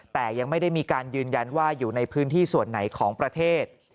แต่ยังไม่ได้มีการยืนยันว่าอยู่ในพื้นที่ส่วนไหนของประเทศ